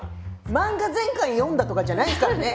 漫画全巻読んだとかじゃないんですからね。